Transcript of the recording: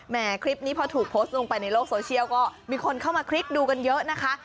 คลิปนี้พอถูกโพสต์ลงไปในโลกโซเชียลก็มีคนเข้ามาคลิกดูกันเยอะนะคะ